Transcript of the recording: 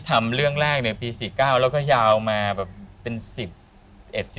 ทำเรื่องแรกหนึ่งปี๔๙แล้วก็ยาวมาเป็น๑๐๑๒เรื่อง